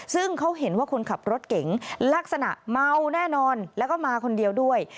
ซึ่งเขาเห็นว่าคนขับรถเก๋งลักษณะเมาแน่นอนแล้วก็มาคนเดียวด้วย